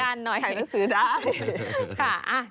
หาหนังสือได้